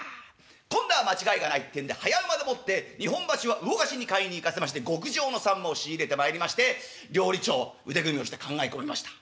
今度は間違いがないってんで早馬でもって日本橋は魚河岸に買いに行かせまして極上のさんまを仕入れてまいりまして料理長腕組みをして考え込みました。